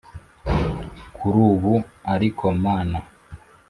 kurubu ariko mana,